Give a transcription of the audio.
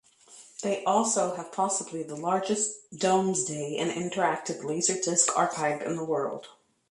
They also have possibly the largest Domesday and interactive laserdisc archive in the world.